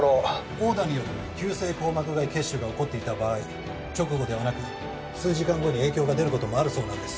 殴打による急性硬膜外血腫が起こっていた場合直後ではなく数時間後に影響が出る事もあるそうなんです。